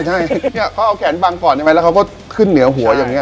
ใช่เขาเอาแขนบังก่อนแล้วเขาก็ขึ้นเหนือหัวอย่างเนี้ย